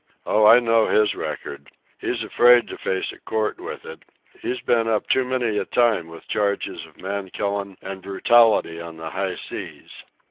Oh, I know his record. He's afraid to face a court with it. He's been up too many a time with charges of man killin' an' brutality on the high seas.